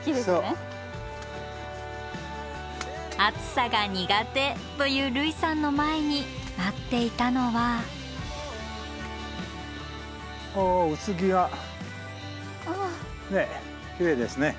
暑さが苦手という類さんの前に待っていたのは訪れた５月下旬。